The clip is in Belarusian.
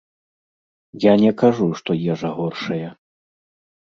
Я не кажу, што ежа горшая.